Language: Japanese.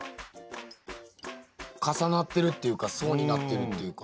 重なってるっていうか層になってるっていうかね。